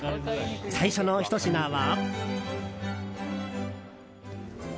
最初のひと品は。